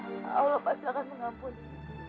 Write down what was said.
allah pasti akan mengampuni